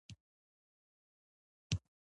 د فلاني کال په شاوخوا کې یې ګیله کوله.